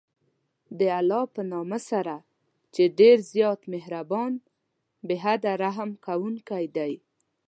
د الله په نامه سره چې ډېر زیات مهربان، بې حده رحم كوونكى دى.